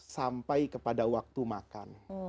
sampai kepada waktu makan